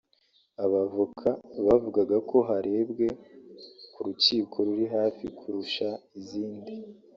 Abavoka bavugaga ko harebwe ku rukiko ruri hafi kurusha izindi